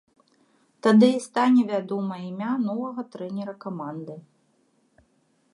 Тады і стане вядома імя новага трэнера каманды.